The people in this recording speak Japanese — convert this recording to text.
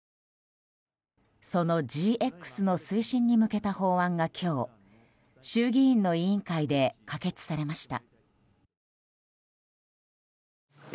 そのＧＸの推進に向けた法案が今日、衆議院の委員会で可決されました。